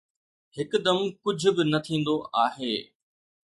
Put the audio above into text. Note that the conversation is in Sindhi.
هڪدم ڪجهه به نه ٿيندو آهي.